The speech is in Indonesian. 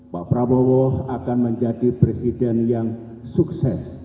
pak prabowo akan menjadi presiden yang sukses